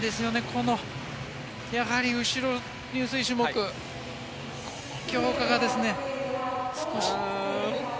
やはり、後ろ入水種目強化が少し。